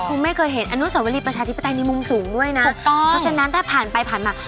คงไม่เคยเห็นอนุสวรีประชาธิปไตยในมุมสูงด้วยนะถูกต้องเพราะฉะนั้นถ้าผ่านไปผ่านมา